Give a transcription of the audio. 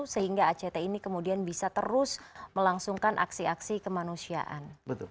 sehingga act ini kemudian bisa terus melangsungkan aksi aksi kemanusiaan